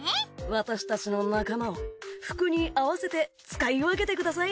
私たちの仲間を服に合わせて使い分けてください。